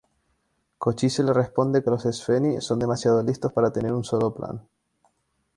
Cochise le responde que los "Espheni" son demasiado listos para tener un solo plan.